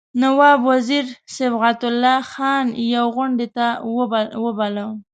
نواب وزیر صبغت الله خان یوې غونډې ته وباله.